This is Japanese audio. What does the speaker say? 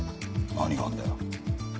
何があんだよ。